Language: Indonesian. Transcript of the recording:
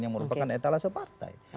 yang merupakan etalase partai